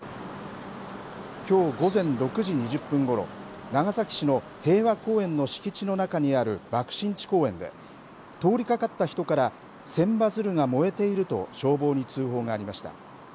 きょう午前６時２０分ごろ、長崎市の平和公園の敷地の中にある爆心地公園で、通りかかった人から、千羽鶴が燃えていると消防に通報がありました。